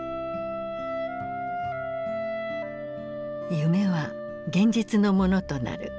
夢は現実のものとなる。